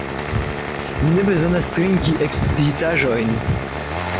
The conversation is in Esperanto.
Mi ne bezonas trinki ekscitaĵojn.